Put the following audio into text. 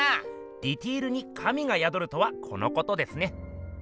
ディテールに神がやどるとはこのことですね。